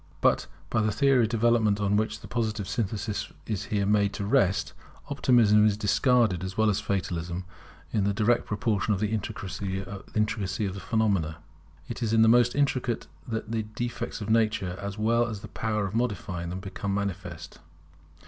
But by the theory of development on which the Positive synthesis is here made to rest, Optimism is discarded as well as Fatalism, in the direct proportion of the intricacy of the phenomena. It is in the most intricate that the defects of Nature, as well as the power of modifying them, become most manifest.